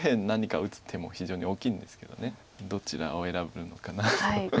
何か打つ手も非常に大きいんですけどどちらを選ぶのかなと。